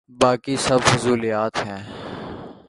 باقی سب فضولیات ہیں۔